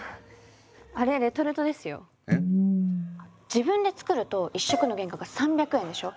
自分で作ると一食の原価が３００円でしょ。